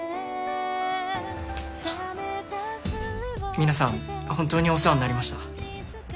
皆さん本当にお世話になりました。